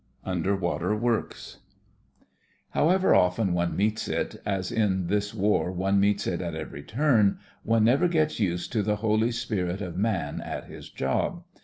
UNDERWATER WORKS However often one meets it, as in this war one meets it at every turn, one never gets used to the Holy Spirit of Man at his job.